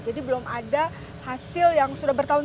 jadi belum ada hasil yang sudah bertambah